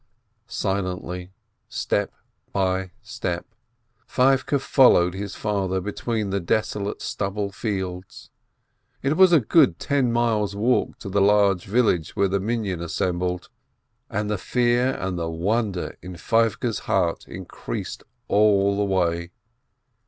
Silently, step by step, Feivke followed his father between the desolate stubble fields. It was a good ten miles' walk to the large village where the Minyan as sembled, and the fear and the wonder in Feivke's heart increased all the way.